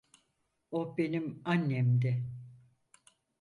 O benim annemdi.